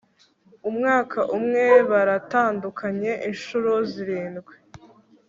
umwaka umwe baratandukanye inshuro zirindwi